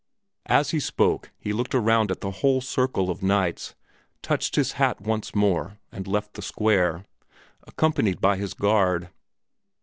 As he spoke he looked around at the whole circle of knights, touched his hat once more, and left the square, accompanied by his guard.